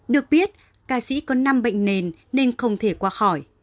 được biết ca sĩ có năm bệnh nền nên không thể qua khỏi